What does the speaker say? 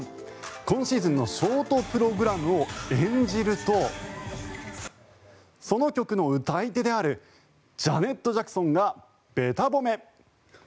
今シーズンのショートプログラムを演じるとその曲の歌い手であるジャネット・ジャクソンがべた褒め。